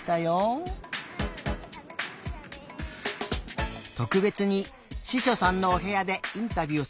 とくべつにししょさんのおへやでインタビューをさせてもらえることに。